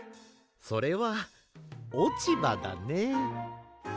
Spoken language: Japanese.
それはおちばだね。